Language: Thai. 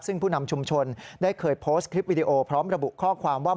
ซึ่งผู้นำชุมชนได้เคยโพสต์คลิปวิดีโอพร้อมระบุข้อความว่า